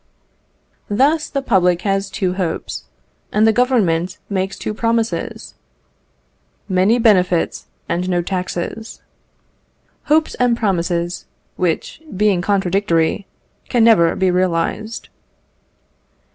Thus, the public has two hopes, and Government makes two promises many benefits and no taxes. Hopes and promises, which, being contradictory, can never be realised.